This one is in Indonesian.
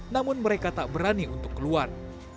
namun mereka tak berani untuk keluar